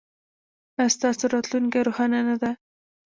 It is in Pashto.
ایا ستاسو راتلونکې روښانه نه ده؟